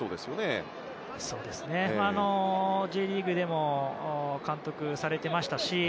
名波さんはＪリーグでも監督されていましたし。